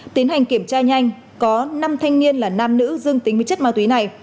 tiến hành kiểm tra nhanh có năm thanh niên là nam nữ dương tính với chất ma túy này